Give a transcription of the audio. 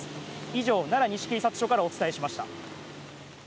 以上、奈良西警察署からお伝えしました。